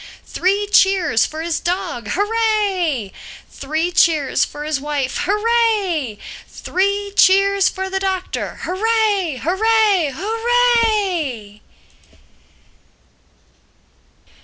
—Three cheers for his dog: Hooray!—Three cheers for his wife: Hooray!—Three cheers for the Doctor: Hooray! Hooray! HOO R A Y!"